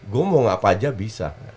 gue mau gak apa aja bisa